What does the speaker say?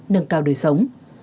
nâng cao đời sống